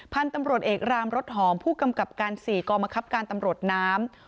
พันธุ์ตำรวจเอกรามรถหอมผู้กำกับการ๔กองบังคับการตำรวจน้ำ